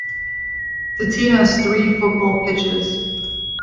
The team has three football pitches.